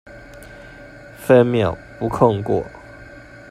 分秒不空過